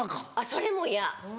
それも嫌。